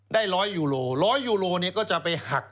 ได้๑๐๐ยูโร๑๐๐ยูโรเนี่ยก็จะไปหัก